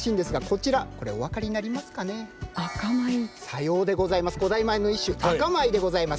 さようでございます。